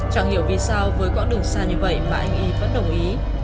chẳng hiểu vì sao với quãng đường xa như vậy mà anh y vẫn đồng ý